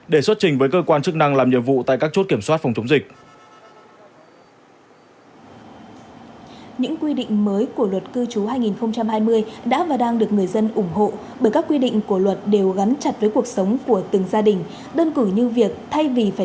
để xuất trình với cơ quan chức năng làm nhiệm vụ tại các chốt kiểm soát phòng chống dịch